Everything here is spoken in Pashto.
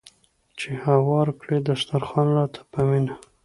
چې هوار کړي دسترخوان راته په مینه